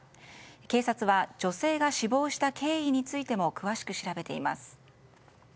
警察は、女性が死亡した経緯についても詳しく調べています。